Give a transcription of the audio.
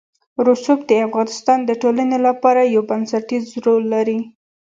رسوب د افغانستان د ټولنې لپاره یو بنسټيز رول لري.